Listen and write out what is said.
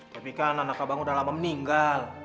tapi kan anak abang udah lama meninggal